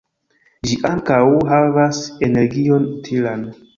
Ĝi ankaŭ enhavas energion utilan.